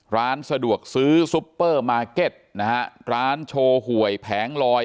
ร้านสะดวกซื้อซุปเปอร์มาร์เก็ตนะฮะร้านโชว์หวยแผงลอย